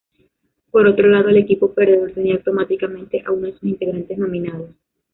Por otro lado el equipo perdedor tenía automáticamente a uno de sus integrantes nominados.